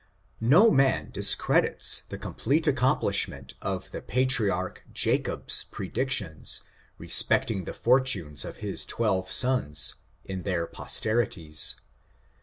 No man discredits the complete accomplishment of the patriarch Jacob's predictions respecting the for tunes of his twelve sons, in their posterities.